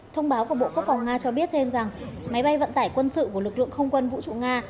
thông báo của bộ quốc phòng nga cho biết thêm rằng máy bay vận tải quân sự của lực lượng không quân vũ trụ nga